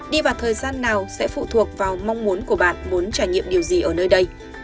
đi vào thời gian nào sẽ phụ thuộc vào mong muốn của bạn muốn trải nghiệm điều gì ở nơi đây